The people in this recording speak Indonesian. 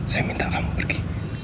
saya minta kamu pergi